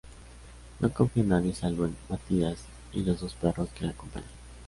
No confía en nadie salvo en Mathias y los dos perros que le acompañan.